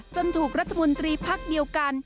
จนถูกรัฐมนตรีพักเดียวกัน